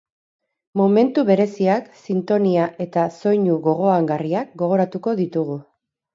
Momentu bereziak, sintonia eta soinu gogoangarriak gogoratuko ditugu.